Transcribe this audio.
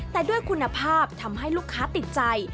แต่ด้วยคุณภาพทำให้ลูกค้าติดใจ